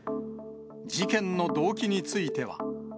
事件の動機については。